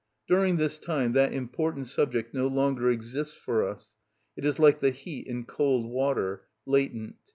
During this time that important subject no longer exists for us; it is like the heat in cold water, latent.